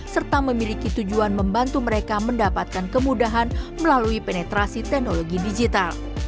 serta memiliki tujuan membantu mereka mendapatkan kemudahan melalui penetrasi teknologi digital